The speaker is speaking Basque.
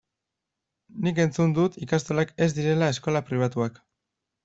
Nik entzun dut ikastolak ez direla eskola pribatuak.